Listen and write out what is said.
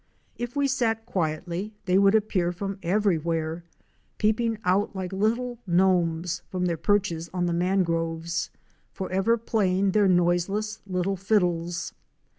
If we sat quietly, they would appear from everywhere, peeping out like little gnomes from their perches on the mangroves, forever playing their noiseless little fiddles.